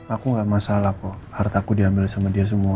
aku gak masalah kok hartaku diambil sama dia semua